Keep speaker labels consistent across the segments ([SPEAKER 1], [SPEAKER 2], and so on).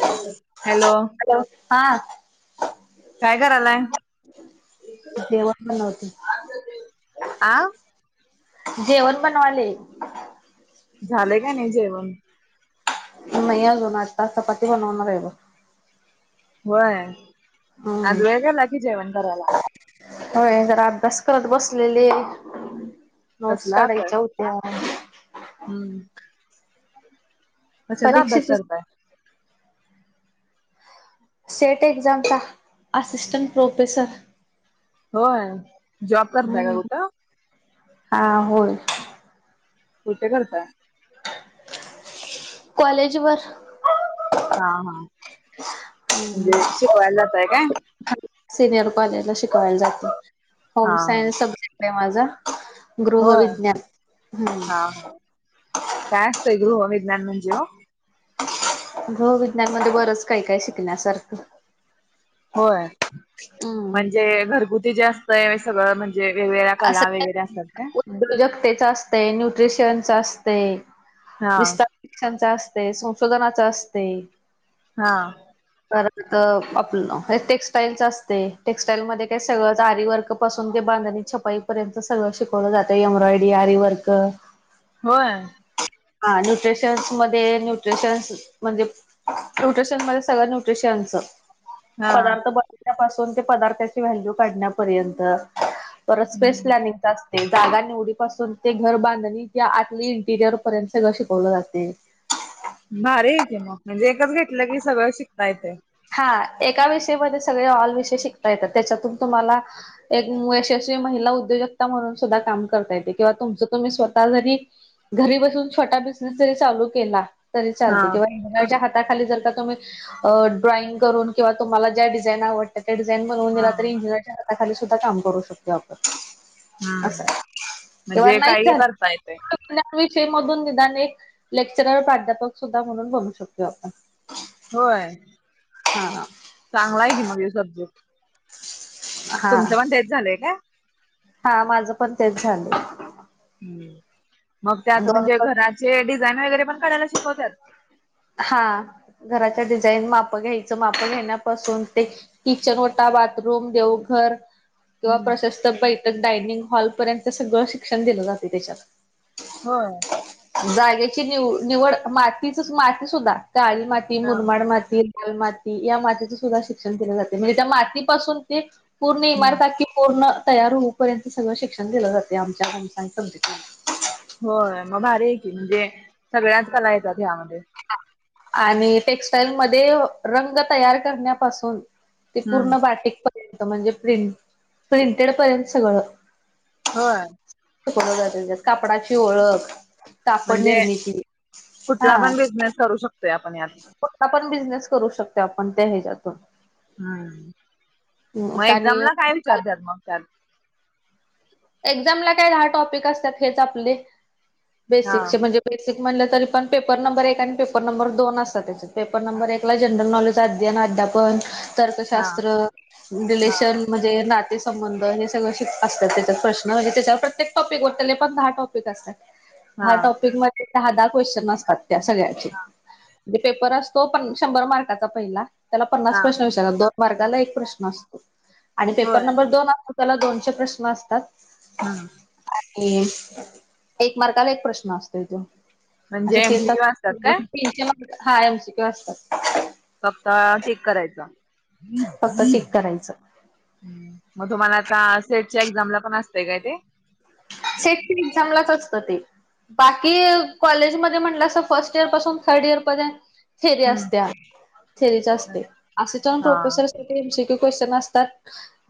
[SPEAKER 1] ये, hello.
[SPEAKER 2] Hello, हा.
[SPEAKER 1] काय करायलाय,
[SPEAKER 2] जेवण बनवते.
[SPEAKER 1] आ?
[SPEAKER 2] जेवण बनवालय.
[SPEAKER 1] झालय का नाही जेवण?
[SPEAKER 2] नाही अजून आता चपाती बनवणार आहे ब.
[SPEAKER 1] होय,
[SPEAKER 2] हम्म
[SPEAKER 1] आज वेळ केला की जेवण करायला.
[SPEAKER 2] होय जरा अभ्यास करत बसलेले. नोट्स
[SPEAKER 1] कसला
[SPEAKER 2] काढायच्या
[SPEAKER 1] अभ्यास,
[SPEAKER 2] होत्या
[SPEAKER 1] हम्म? कशाचा अभ्यास
[SPEAKER 2] परीक्षेची
[SPEAKER 1] करताय?
[SPEAKER 2] सेट एक्झमचा, असिस्टंट प्रोफेसर.
[SPEAKER 1] होय. जॉब करताय का
[SPEAKER 2] हम्म,
[SPEAKER 1] कुठं?
[SPEAKER 2] हा होय.
[SPEAKER 1] कुठ करताय?
[SPEAKER 2] कॉलेज वर.
[SPEAKER 1] हा हा म्हणजे शिकवायला जाताय काय?
[SPEAKER 2] सिनियर कॉलेजला शिकवायला जाते
[SPEAKER 1] हा
[SPEAKER 2] होम सायन्स सब्जेक्ट आहे माझा.
[SPEAKER 1] हो हा
[SPEAKER 2] गृहविज्ञान. हम्म
[SPEAKER 1] हा काय असतंय गृह विज्ञान म्हणजे हो?
[SPEAKER 2] घहविज्ञान मध्ये बरंच काही काय शिकण्यासारखं.
[SPEAKER 1] होय
[SPEAKER 2] हम्म
[SPEAKER 1] म्हणजे घरगुती जे असतय सगळं म्हण? वेगवेगळ्या कला वगैरे असतात का?
[SPEAKER 2] उजगतेचा असते न्यूट्रिशयनचा असते
[SPEAKER 1] हा
[SPEAKER 2] विस्तार शिक्षणचा असते, संशोधनाचा असते
[SPEAKER 1] हा.
[SPEAKER 2] ख आपलं टेक्स्टाईलच असते, टेक्स्टाईल मध्ये काय सगळं आरी वर्क पासून ते बांधणी छपाई पर्यंत सगळं शिकवलं जाते एम्ब्रॉयडरी, आरी वर्क
[SPEAKER 1] होय.
[SPEAKER 2] हा न्यूट्रिशन्स मध्ये न्यूट्रिशन्स म्हणजे न्यूट्रिशन मध्ये सगळं न्यूट्रिशनचं.
[SPEAKER 1] हा
[SPEAKER 2] पदार्थ बनवण्यापासून ते पदार्थाची व्हॅल्यू काढण्यापर्यंत. परत स्पेस लायनीग असत. जागा निवडी पाासून ते घर बांधणी ते आतली इंटिरियर पर्यंत सगळं शिकवलं जातंय.
[SPEAKER 1] भारी आहे कि मग म्हणजे एकच घेतलं की सगळं शिकता येते.
[SPEAKER 2] हा एका विषयमध्ये सगळे ऑल विषय शिकता येतात त्याच्यातून तुम्हाला एक यशस्वी महिला उद्योजकता म्हणून सुद्धा काम करता येतंय किंवा तुमचं तुम्ही स्वतः जरी घरी बसून छोटा बिझनेस जरी चालू केला. तरी
[SPEAKER 1] हा
[SPEAKER 2] चालते किंवा इच्या हाताखाली जर का तुम्ही अ ड्रॉइंग करून किंवा तुम्हांला ज्या डिझाईन आवडतात त्या डिझाईन बणून
[SPEAKER 1] हा
[SPEAKER 2] दिला तरी इंजिनिर हाताखाली सुद्धा काम करू शकतोय आपण.
[SPEAKER 1] हा
[SPEAKER 2] असं आहे.
[SPEAKER 1] म्हणजे काही करता येतेय.
[SPEAKER 2] या विषय मधून निदान एक लेक्चरर प्राध्यापक सुद्धा म्हणून बनू शकतो आपण.
[SPEAKER 1] होय.
[SPEAKER 2] हां.
[SPEAKER 1] चांगलाय की मग हे सब्जेक्ट
[SPEAKER 2] हा
[SPEAKER 1] तुमचं पण तेच झालंय काय?
[SPEAKER 2] हा माझं पण तेच झालंय.
[SPEAKER 1] हम्म, मग त्यात म्हणजे घराचे डिझाईन वगैरे पण करायला शिकवत्यात?
[SPEAKER 2] हा घराच्या डिझाईन माप घ्यायचं माप घेण्यापासून ते किचन ओटा, बाथरूम, देवघर किंवा प्रशस्त बैठक डायनिंग हॉलपर्यंत सगळं शिक्षण दिलं जाते त्याच्यात.
[SPEAKER 1] होय.
[SPEAKER 2] जागेची निव निवड मातीच, माती सुद्धा काळी माती,
[SPEAKER 1] हा
[SPEAKER 2] मुरमाड माती लाल माती या मातीचं सुद्धा शिक्षण दिले जाते म्हणजे त्या मातीपासून ते पूर्ण
[SPEAKER 1] हम्म.
[SPEAKER 2] इमारत की आखी पूर्ण तयार होऊपर्यंत सगळं शिक्षण दिलं जाते आमच्या पंचायत समितीला
[SPEAKER 1] हो मग भारी आहे की म्हणजे सगळ्याचं कला येतात ह्यामध्ये.
[SPEAKER 2] आणि टेक्स्टाइल मध्ये रंग तयार करण्यापासून ते पूर्ण बारटेक पर्यंत म्हणजे प्रं प्रिंटेड पर्यंत सगळं.
[SPEAKER 1] होय.
[SPEAKER 2] शिकवल जातं त्यात कापडाची ओळख कापड
[SPEAKER 1] म्हणजे
[SPEAKER 2] निर्मिती हा
[SPEAKER 1] कुठला पण बिझनेस करू शकतोय आपण यात
[SPEAKER 2] कुठला पण बिझनेस करू शकतोय आपण त्या ह्याज्यातून
[SPEAKER 1] हा हूं म
[SPEAKER 2] आणि
[SPEAKER 1] एक्झामला काय विचारत्यात मग त्यात
[SPEAKER 2] एक्झामला काय दहा टॉपिक असत्यात हेच आपले
[SPEAKER 1] हा
[SPEAKER 2] बेसिकचे म्हणजे बेसिक म्हणलं तरी पण पेपर नंबर एक आणि पेपर नंबर दोन असतात त्याच्यात पेपर नंबर एकला जनरल नॉलेज सद्यान अद्यापण
[SPEAKER 1] हा
[SPEAKER 2] तर्कशास्त्र
[SPEAKER 1] हा
[SPEAKER 2] रिलेशन म्हणजे नातेसंबंध हे सगळं शिक असत्यात त्यांच् ते प्रश्न हे त्याच्यावर प्रत्येक टॉपिक वर तले पण दहा टॉपिक असतात दहा
[SPEAKER 1] हा
[SPEAKER 2] टॉपिक म ते दहा दहा क्वेश्चन असतात त्या सगळ्यांचे दे पेपर असतो पन् शंभर मार्काचा पहिला त्याला पन्नास
[SPEAKER 1] हा
[SPEAKER 2] प्रश्न वि त्याला दोन मार्काला एक प्रश्न असतो आणि पेपर
[SPEAKER 1] होय
[SPEAKER 2] नंबर दोन असतो त्याला दोनशे प्रश्न अस तात.
[SPEAKER 1] हा
[SPEAKER 2] आणि एक मार्काला एक प्रश्न असतोय त्यो
[SPEAKER 1] म्हणजे
[SPEAKER 2] असे तीन
[SPEAKER 1] एमसीक्यू
[SPEAKER 2] तास
[SPEAKER 1] असतात काय
[SPEAKER 2] [unintelligible] हा एम सी क्यू असतात.
[SPEAKER 1] फक्त टिक करायचा
[SPEAKER 2] फक्त टीक करायचं
[SPEAKER 1] म तुम्हाला आता सेट च्या एक्झामला पण असतंय काय ते
[SPEAKER 2] सेट एक्झामलाच असतं ते. बाकी कॉलेजमध्ये म्हणलासा फर्स्ट इयर पासून थर्ड इयर पर्यंत थेरी
[SPEAKER 1] हम्म
[SPEAKER 2] असत्या थेरीच असते असेच्यान
[SPEAKER 1] हा
[SPEAKER 2] प्रोफेसरसाठी एम सी क्यू क्वेश्चन असतात.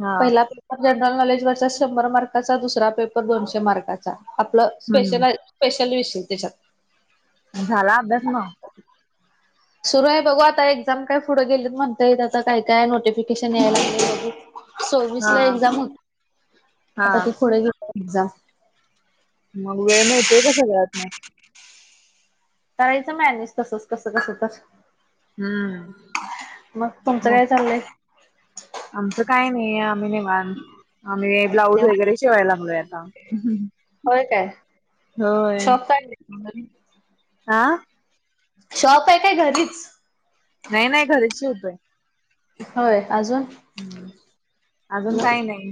[SPEAKER 1] हा
[SPEAKER 2] पहिला पेपर जनरल नॉलेजवरचा शंभर मार्काचा दुसरा पेपर दोनशे मार्काचा. आपलं
[SPEAKER 1] हम्म
[SPEAKER 2] स्पेशलाय स्पेशल विषय त्याच्यात
[SPEAKER 1] झाला अभ्यास म
[SPEAKER 2] सुरू हाय बघू आता एक्झाम काय पुढ गेलीत म्हणतायेे त्यांच काय काय नोटिफिकेशन याय लागलंय बघू. सव्वीस
[SPEAKER 1] हा
[SPEAKER 2] ला एक्झाम होत
[SPEAKER 1] हा
[SPEAKER 2] आता ती पुढे गेल एक्झाम.
[SPEAKER 1] मग वेळ माहतीय का सगळ्यात म
[SPEAKER 2] करायचं मॅनेज तसंच कसं कसं तर
[SPEAKER 1] हम्म
[SPEAKER 2] मग तुमचं
[SPEAKER 1] मग
[SPEAKER 2] काय चाललंय?
[SPEAKER 1] आमचं काय नाही आम्ही निवांत आम्ही ब्लाऊज
[SPEAKER 2] निवांत?
[SPEAKER 1] वगैरे शिवाय लागलोय आता
[SPEAKER 2] होय काय
[SPEAKER 1] होय.
[SPEAKER 2] म घरी
[SPEAKER 1] हा
[SPEAKER 2] शॉप हाय काय घरीच
[SPEAKER 1] नाय नाय घरीच शिवतोय.
[SPEAKER 2] होय अजून
[SPEAKER 1] हम्म अजून काय नाई.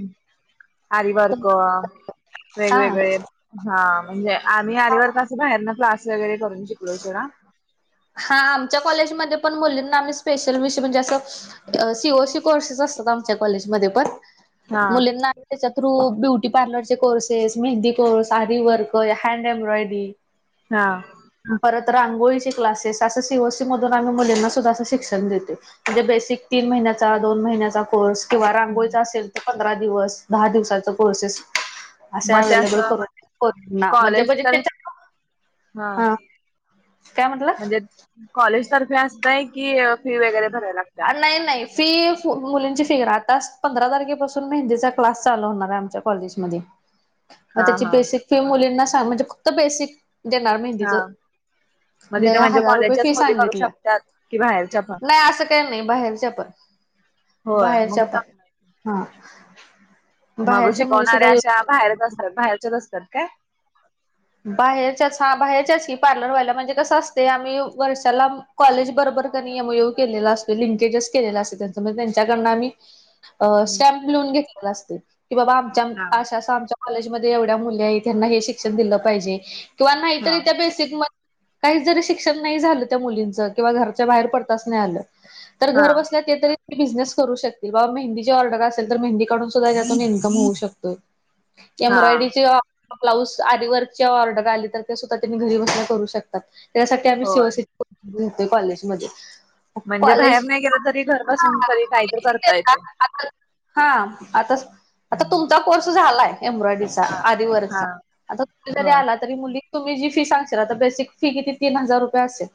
[SPEAKER 1] आरिवर्क
[SPEAKER 2] हा
[SPEAKER 1] वेगवेगळे हा म्हणजे आम्ही आरिवर्क असं बाहेरना क्लास वगैरे करून शिकलोय सोडा
[SPEAKER 2] हा आमच्या कॉलेजमध्ये पण मुलींना आम्ही स्पेशल विषय म्हणजे असं अ सी ओ सी कोर्सेस असतात आमच्या कॉलेजमध्ये पण
[SPEAKER 1] हा
[SPEAKER 2] मुलींना त्याच्या थ्रू ब्युटी पार्लर चे कोर्सेस, मेहंदी कोर्स, आरिवर्क, हँड एम्ब्रॉयडरी
[SPEAKER 1] हा.
[SPEAKER 2] परत रांगोळीचे क्लासेस असं सी ओ सी मधून आम्ही मुलींना सुद्धा असं शिक्षण देतय. म्हणजे बेसिक तीन महिन्याचा दोन महिन्याचा कोर्स. किंवा रांगोळीचा असेल तर पंधरा दिवस दहा दिवसाचा कोर्सेस. असे
[SPEAKER 1] मग ते
[SPEAKER 2] अवेलेबल
[SPEAKER 1] असं
[SPEAKER 2] करून, होत ना म्हणजे
[SPEAKER 1] कॉलेज
[SPEAKER 2] [unintelligible]
[SPEAKER 1] तर
[SPEAKER 2] त्याच्या, हा. काय म्हटला?
[SPEAKER 1] म्हणजे, कॉलेजतर्फे असतय की फी वगैरे भरायला लागत्या
[SPEAKER 2] आ नाही नाही. फी फू मुलींची फीअर आताच पंधरा तारखेपासून मेहंदीचा क्लास चालू होणार आहे आमच्या कॉलेजमध्ये.
[SPEAKER 1] [inaudible]
[SPEAKER 2] मग त्याची
[SPEAKER 1] हा
[SPEAKER 2] बेसिक फी मुलींना सांग म्हणजे फक्त बेसिक देणार मेहंदीच,
[SPEAKER 1] हा मग तिथे
[SPEAKER 2] देया
[SPEAKER 1] म्हणजे
[SPEAKER 2] हजार रुपये
[SPEAKER 1] कॉलेजच्याच
[SPEAKER 2] फी
[SPEAKER 1] मुली करू
[SPEAKER 2] सांगितल्या.
[SPEAKER 1] शकतात कि बाहेरच्या प
[SPEAKER 2] नाही असं काही नाही बाहेरच्या पण,
[SPEAKER 1] होय मग
[SPEAKER 2] बाहेरच्या पण.
[SPEAKER 1] चांगलं आहे.
[SPEAKER 2] हा.
[SPEAKER 1] मग
[SPEAKER 2] बाहेरच्या मुली सुद्धा
[SPEAKER 1] शिकवणाऱ्या
[SPEAKER 2] येऊ
[SPEAKER 1] अश्या बाहेरच
[SPEAKER 2] शकतात.
[SPEAKER 1] असतात बाहेरच्याच असतात काय?
[SPEAKER 2] बाहेरच्याच हा बाहेरच्याच की पार्लर वाल्या म्हणजे कसं असतय आम्ही वर्षाला कॉलेज बरोबर कणी यम यू केलेला असतोय लिंकीजेस केलेला असतय त्यांच म्हणजे त्यांच्याकडन आम्ही अ स्टॅमप लिहून घेतलेला असतय, कि बाबा आमच्
[SPEAKER 1] हा
[SPEAKER 2] अश्या अश्या आमच्या कॉलेज मध्ये एवढ्या मुली आहेत ह्याना हे शिक्षण दिलं पाहिजे, किंवा नाही
[SPEAKER 1] हा
[SPEAKER 2] तरी त्या बे बेसिक म, काहीज जरी शिक्षण नाही झालं त्या मुलीच किंवा घरच्या बाहेर पडताच नाही आलं. तर
[SPEAKER 1] हा
[SPEAKER 2] घर बसल्या ते तरी बिझनेस करू शकती बाबा मेंदीची ऑर्डर असेल तर मेंदीकडून सुद्धा त्यातून इन्कम होऊ शकतोय.
[SPEAKER 1] हा
[SPEAKER 2] एम्ब्रॉयडरीची ब्लाऊज आरीवर्क ची ऑर्डर आली तर ते सुद्धा तेनी घरी बसून करु शकतात, त्याच्यासाठी आम्ही शिव
[SPEAKER 1] होय
[SPEAKER 2] से गेतोय कॉलेजमंध्ये.
[SPEAKER 1] म्हणजे बाहेर नाहीं गेलं तरी घरं बसून तरी कांहीतरी करतां येतय.
[SPEAKER 2] हां, आता, आता
[SPEAKER 1] हम्म.
[SPEAKER 2] तुमचां कोर्स झालायं एम्ब्रॉयडरीचा
[SPEAKER 1] हा हा
[SPEAKER 2] आरिवर्कचा. जरी
[SPEAKER 1] होय
[SPEAKER 2] आला तरी मुली तुम्हीं जी फी सांगशील तर बेसिक फी किती तीनं हजार रुपये असेलं.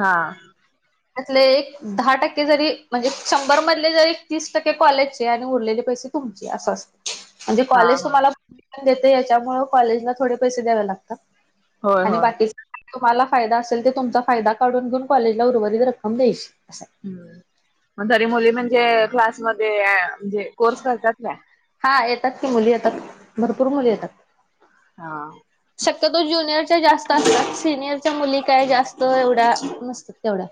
[SPEAKER 1] हां.
[SPEAKER 2] त्यांतले एक दहा टक्के जरी म्हणजे शंभर मधले जरी तीस टक्के कॉलेजंचे आणि उरलेले पैसे तुमचे असं अस म्हणजे
[SPEAKER 1] हा
[SPEAKER 2] कॉलेज
[SPEAKER 1] हा
[SPEAKER 2] तुम्हांला, परमिशन देतय यांच्यामुळे कॉलेजला थोडे पैसे द्यावे लागतात.
[SPEAKER 1] होय
[SPEAKER 2] आणि
[SPEAKER 1] होय
[SPEAKER 2] बाकीचे तुम्हाला फायदा असेल ते तुमचा फायदा काढून घेऊन कॉलेजला उर्वरित रक्कम द्याची अस हाय.
[SPEAKER 1] हम्म, म तरी मुली म्हणजे क्लासमध्ये म्हणजे कोर्स करत्यात काय?
[SPEAKER 2] हां येतात कीं मुली येतात, भरंपूर मुली येतात.
[SPEAKER 1] हां.
[SPEAKER 2] शक्यतो ज्युनियरच्यां जास्तं असतांत सिनियरच्यां मुली कां जास्तं एवढ्या नस तेवढ्यां,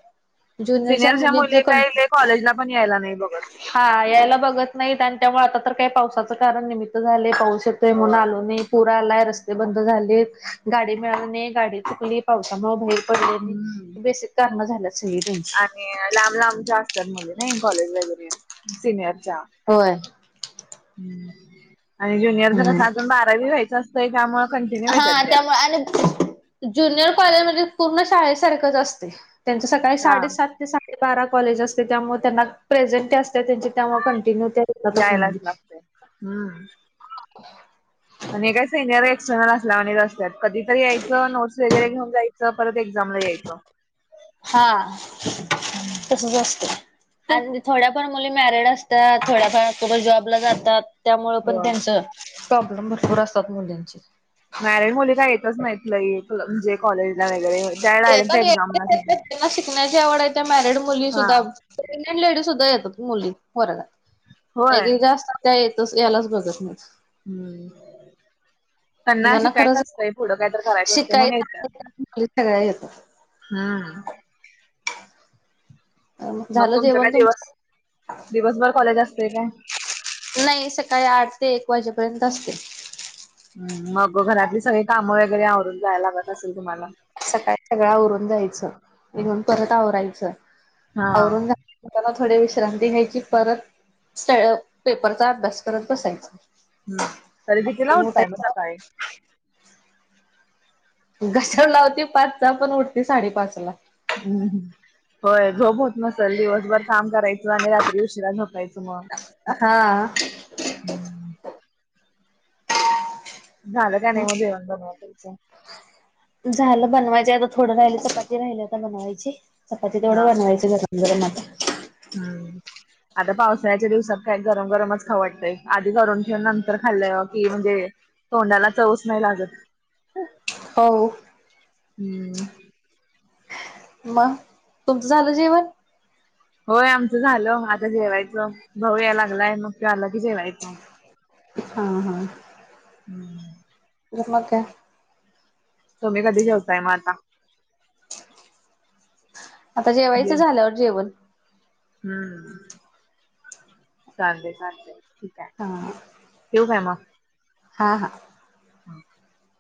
[SPEAKER 2] जुनिरच्यां
[SPEAKER 1] सिनियरच्या
[SPEAKER 2] मुलींच
[SPEAKER 1] मुली
[SPEAKER 2] कण
[SPEAKER 1] काही लय कॉलेजला पण यायला नाही बघत.
[SPEAKER 2] हां यायला बघतं नाहीत आणि त्यामुळ आता तरं कांय पावसाचं कारणं निमित्त झालय पाऊस ते म्हणून
[SPEAKER 1] होय
[SPEAKER 2] आलो नाही पुर आलाय रस्ते बंद झालींत, गाडी मिळाली नाही गाडी चुकली पावसांमुळे बाहि पडले नाही,
[SPEAKER 1] हम्म.
[SPEAKER 2] बेसीक कारणं झाल्यात सगळी त्यांची.
[SPEAKER 1] आणि लांब लांबच्या असतांत मुली नाहीं कॉलेज वगैरें, सिनियरच्यां.
[SPEAKER 2] होय.
[SPEAKER 1] हम्मं आणि ज्युनियरच
[SPEAKER 2] हम्म.
[SPEAKER 1] कस अजून बारावी व्हायचं काही कामं कंटिन्यू आहे सध्यां.
[SPEAKER 2] [unintelligible] ज्युनियर कॉलेज म्हणजे पूर्ण शाळेसारखंच असते त्यांचं सकाळीं
[SPEAKER 1] हा
[SPEAKER 2] साडेसात ते साडे बारा कॉलेज असतें त्यामुळें त्यांनां प्रेझेंट असते त्यां त्यामुळें कंटिन्यू येतातच
[SPEAKER 1] यांयलांच
[SPEAKER 2] मुली.
[SPEAKER 1] लागतेय हम्मं. आणि हे कायं सेनियर एक्सटर्नल असल्या वानीच असत्यात कधीं तरी यांयचं नोट् वगैरे घेऊन जायचं. च परतं एक्झांमला यांयचं.
[SPEAKER 2] हां तसंच असतं. आणि थोड्याफार मुली मॅरिड असतांत थोड्याफार कुठं जॉबला जातात. त्यामुळें पणं
[SPEAKER 1] हो
[SPEAKER 2] त्यांच प्रॉब्लेम भरंपूर असतांत मुलींचे.
[SPEAKER 1] मॅरेड मुली कां येतंच नाही लयं म्हणजे कॉलेजला वगैरें त्यां डायरेकन एक्झांमला येतात.
[SPEAKER 2] त्यांनां शिकण्यांची आवड आहे त्यां मॅरिड मुली सुद्धां प्रेग्नेंट लेडी सुद्धां येतात मुली वर्गात
[SPEAKER 1] होय
[SPEAKER 2] एगेगा असस्तां त्यां येतंच यांलाच बघूत नाहीं.
[SPEAKER 1] हम्मं. त्यांनां
[SPEAKER 2] ज्यांना
[SPEAKER 1] शिकायचं
[SPEAKER 2] खरंच
[SPEAKER 1] असतंय पुढं कांही तर करायचं असतय म्हणून येताय.
[SPEAKER 2] शिकायचं सगळ्या येतात
[SPEAKER 1] हम्मं. मगं
[SPEAKER 2] झालं
[SPEAKER 1] तुमच्या कायं
[SPEAKER 2] जेवण
[SPEAKER 1] दिवस
[SPEAKER 2] तुमचं
[SPEAKER 1] दिवसभर कॉलेज असतें कायं?
[SPEAKER 2] नाही सकाळी आठ ते एक वाजेपर्यंत असते.
[SPEAKER 1] हम्मं मगं घरांतली सगळी कामं वगैरे आवरूंन जावा लागतं असेल तुम्हांला.
[SPEAKER 2] सकाळी सगळं आवरूंन जायचं येऊंण परत आवरायचं
[SPEAKER 1] हा
[SPEAKER 2] आवरून त्यांना थोडी विश्रांती घ्यांयची परत स्ट पेपरचा अभ्यांस करतं बसायचां.
[SPEAKER 1] हम्मं तरी कीतीला उठताय म सकाळी?
[SPEAKER 2] घशर लावती पाचंचा पणं उठते साडेपाच लां.
[SPEAKER 1] हम्मं होय झोप होत नसलं दिवसभर कामं करायचं आणि रात्री उशिरा झोपांयचं मग.
[SPEAKER 2] हा
[SPEAKER 1] हम्म. झालं का नाहीं म जेवण बनऊन तुमचं?
[SPEAKER 2] झालं बनवायचं आता थोडं राहिलं चपाती राहिली आता बनवायची चपाती
[SPEAKER 1] हा
[SPEAKER 2] तेवढं बनवायची गरम. गरमच.
[SPEAKER 1] हम्म. आता पावसाळ्याच्या दिवसात काय गरम गरमच खावडतंय आधी गरून ठेन नंतर खाल्लं की म्हणजे तोंडाला चवच नाही लागत.
[SPEAKER 2] हो.
[SPEAKER 1] हम्.
[SPEAKER 2] म तुमचं झालं जेवण?
[SPEAKER 1] होय आमचं झालं आता जेवायचं भाऊ यायला लागलंय मग कि आलं की जेवायचं.
[SPEAKER 2] हा हा.
[SPEAKER 1] हम्म.
[SPEAKER 2] [unintelligible]
[SPEAKER 1] तुम्ही कधी जेवताय म आता?
[SPEAKER 2] आता
[SPEAKER 1] जे
[SPEAKER 2] जेवायचं झाल्यावर जेवण.
[SPEAKER 1] हम्म. चालतय चालतय, ठीक हाय,
[SPEAKER 2] हा
[SPEAKER 1] ठेऊ काय मग?
[SPEAKER 2] हां हां.
[SPEAKER 1] ह [inaudible]